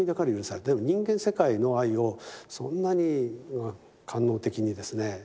でも人間世界の愛をそんなに官能的にですね